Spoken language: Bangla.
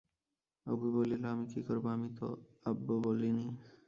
অপু বলিল, আমি কি করবো, আমি তো আব্ব বলিনি।